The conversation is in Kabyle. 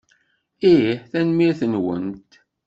Ih. Tanemmirt-nwent.